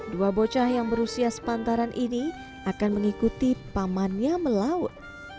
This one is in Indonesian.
dua bocah yang berusia sepantaran ini akan mengikuti pamannya melaut